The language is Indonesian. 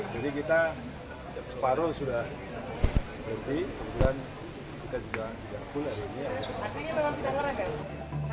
jadi kita separuh sudah berhenti